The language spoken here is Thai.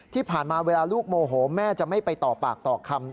ที่ผ่านมาเวลาลูกโมโหแม่จะไม่ไปต่อปากต่อคำ